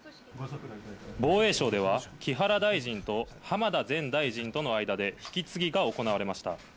防衛省では、木原大臣と浜田前大臣との間で引き継ぎが行われました。